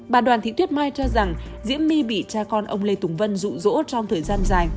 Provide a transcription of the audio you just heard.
bà đoàn thị tuyết mai cho rằng diễm my bị cha con ông lê tùng vân rụ rỗ trong thời gian dài